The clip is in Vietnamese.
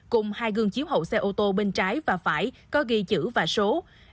một mươi ba nghìn sáu trăm bốn mươi tám cùng hai gương chiếu hậu xe ô tô bên trái và phải có ghi chữ và số